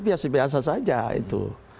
biasa biasa saja itu